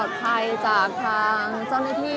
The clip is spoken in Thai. และที่อยู่ด้านหลังคุณยิ่งรักนะคะก็คือนางสาวคัตยาสวัสดีผลนะคะ